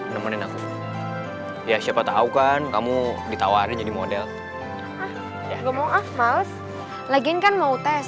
nemenin aku ya siapa tahu kan kamu ditawarin jadi model enggak mau ah males lagi kan mau